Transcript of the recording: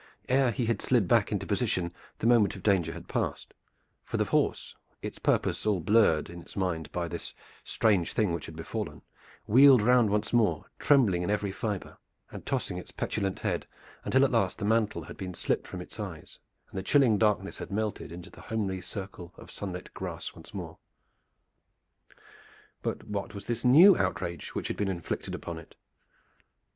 Ere he had slid back into position the moment of danger had passed, for the horse, its purpose all blurred in its mind by this strange thing which had befallen, wheeled round once more, trembling in every fiber, and tossing its petulant head until at last the mantle had been slipped from its eyes and the chilling darkness had melted into the homely circle of sunlit grass once more. But what was this new outrage which had been inflicted upon it?